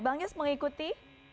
bang yos mengikuti